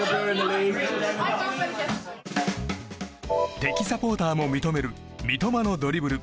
敵サポーターも認める三笘のドリブル。